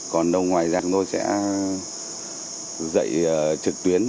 còn đâu ngoài ra chúng tôi sẽ dạy trực tuyến